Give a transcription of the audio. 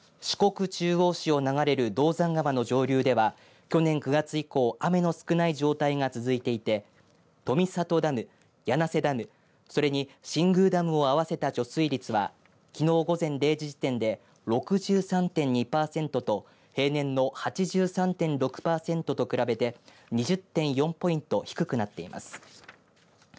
四国中央市を流れる銅山川の上流では去年９月以降雨の少ない状態が続いていて富郷ダム、柳瀬ダムそれに新宮ダムを合わせた貯水率はきのう午前０時時点で６３．２パーセントと平年の８３．６パーセントと比べて２０．４ポイント低くなっています。